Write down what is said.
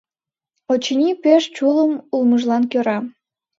Очыни, пеш чулым улмыжлан кӧра.